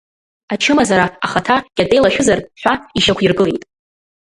Ачымазара ахаҭа кьатеилашәызар ҳәа ишьақәиргылеит.